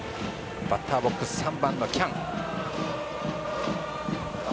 バッターボックス３番の喜屋武。